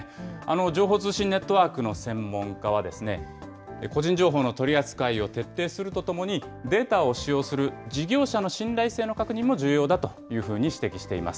情報通信ネットワークの専門家は、個人情報の取り扱いを徹底するとともに、データを使用する事業者の信頼性の確認も重要だというふうに指摘しています。